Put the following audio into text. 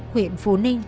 huyện phú ninh